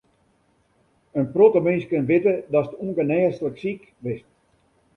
In protte minsken witte datst ûngenêslik siik bist.